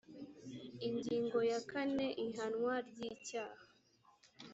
ingingo ya kane ihanwa ry icyaha